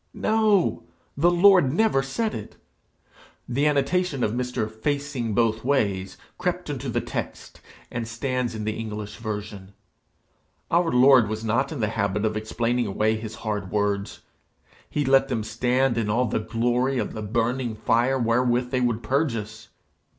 No! the Lord never said it. The annotation of Mr. Facingbothways crept into the text, and stands in the English version. Our Lord was not in the habit of explaining away his hard words. He let them stand in all the glory of the burning fire wherewith they would purge us.